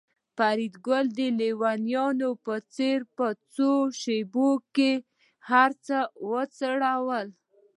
فریدګل د لېونو په څېر په څو شېبو کې هرڅه وخوړل